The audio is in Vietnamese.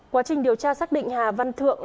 quá trình điều tra xác định hà văn thượng